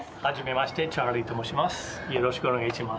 よろしくお願いします。